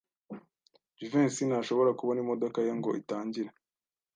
Jivency ntashobora kubona imodoka ye ngo itangire.